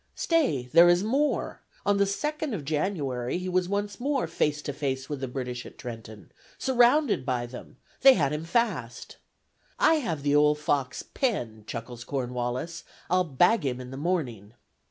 Stay! there is more. On the second of January, he was once more face to face with the British at Trenton, surrounded by them; they had him fast. "I have the old fox penned!" chuckles Cornwallis; "I'll bag him in the morning!"